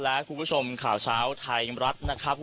และคุณผู้ชมข่าวเช้าไทยรัฐนะครับ